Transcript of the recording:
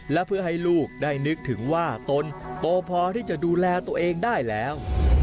และเพื่อให้ลูกได้นึกถึงว่าตนโตพอที่จะดูแลตัวเองได้แล้ว